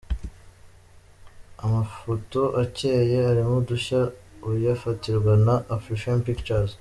Amafoto acyeye, arimo udushya uyafatirwa na Afrifame Pictures.